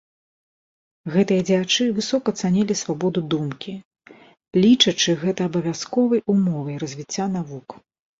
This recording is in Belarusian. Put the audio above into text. Гэтыя дзеячы высока цанілі свабоду думкі, лічачы гэта абавязковай умовай развіцця навук.